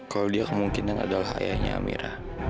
kalau dia kemungkinan adalah ayahnya amira